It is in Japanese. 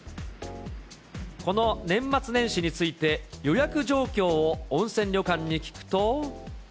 この年末年始について、予約状況を温泉旅館に聞くと。